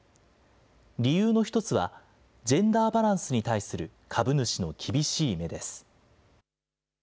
理由の一つは、ジェンダーバランスに対する株主の厳しい目です。